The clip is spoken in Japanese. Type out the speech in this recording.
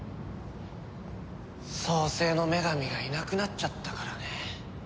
創世の女神がいなくなっちゃったからね。